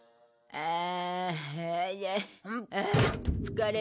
ああ。